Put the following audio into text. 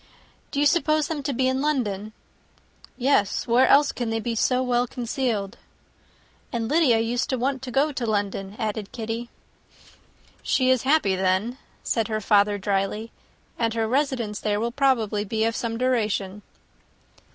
"Do you suppose them to be in London?" "Yes; where else can they be so well concealed?" "And Lydia used to want to go to London," added Kitty. "She is happy, then," said her father, drily; "and her residence there will probably be of some duration."